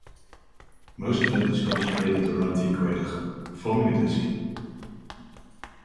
Most of it is concentrated around the equator, forming a disk.